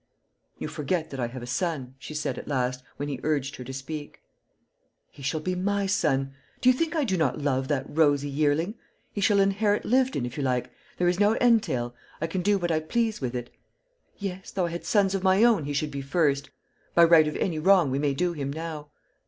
"You forget that I have a son," she said at last, when he urged her to speak. "He shall be my son. Do you think I do not love that rosy yearling? He shall inherit Lyvedon, if you like; there is no entail; I can do what I please with it. Yes, though I had sons of my own he should be first, by right of any wrong we may do him now.